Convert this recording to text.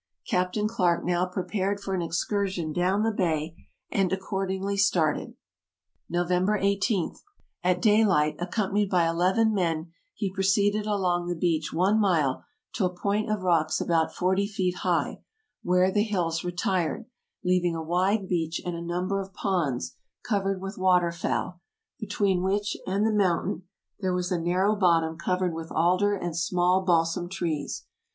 Captain Clarke now pre pared for an excursion down the bay, and accordingly started. "November 18. — At daylight, accompanied by eleven men, he proceeded along the beach one mile to a point of rocks about forty feet high, where the hills retired, leaving a wide beach and a number of ponds covered with water AMERICA 161 fowl, between which and the mountain there was a narrow bottom covered with alder and small balsam trees.